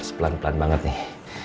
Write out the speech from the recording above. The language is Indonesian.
pelan pelan banget nih